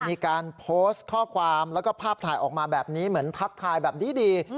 มีการโพสต์ข้อความแล้วก็ภาพถ่ายออกมาแบบนี้เหมือนทักทายแบบดี